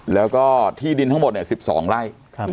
แล้วก็ที่ดินทั้งหมด๑๒ไร่